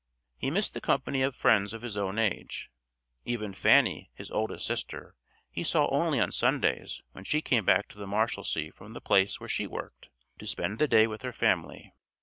He missed the company of friends of his own age; even Fanny, his oldest sister, he saw only on Sundays when she came back to the Marshalsea from the place where she worked, to spend the day with her family.